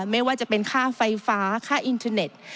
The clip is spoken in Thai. ไม่ว่าจะเป็นค่าไฟฟ้าค่าอินเทอร์เน็ต